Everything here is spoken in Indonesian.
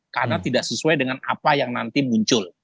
karena tidak sesuai dengan apa yang nanti muncul